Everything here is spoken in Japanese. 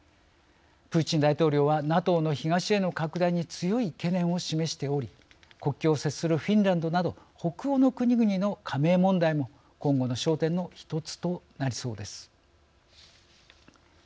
プーチン大統領はＮＡＴＯの東への拡大に強い懸念を示しており国境を接するフィンランドなど北欧の国々の加盟問題も今後の焦点の１つとなりそうです。